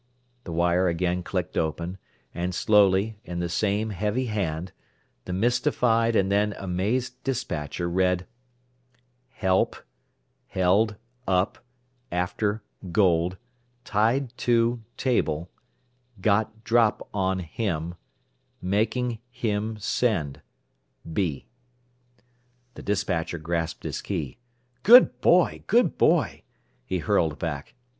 The wire again clicked open, and slowly, in the same heavy hand, the mystified and then amazed despatcher read: "H E L P H E L D U P A F T E R G O L D T I E D T O T A B L E G O T D R O P O N H I M M A K I N G H I M S E N D B." The despatcher grasped his key. "Good boy! Good boy!" he hurled back.